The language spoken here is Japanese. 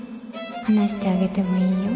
話してあげてもいいよ